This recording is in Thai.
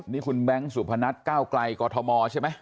นี่คุณแบงค์สุพนัทก้าวไกลกอทมใช่ไหม